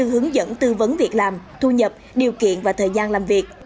hướng dẫn tư vấn việc làm thu nhập điều kiện và thời gian làm việc